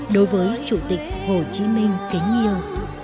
đối với chủ tịch hồ chí minh kính yêu